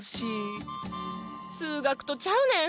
数学とちゃうねん。